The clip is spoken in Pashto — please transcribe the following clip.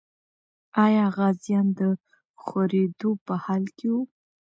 آیا غازیان د خورېدو په حال کې وو؟